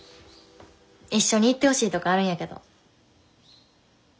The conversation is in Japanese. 一緒に行ってほしいとこあるんやけど。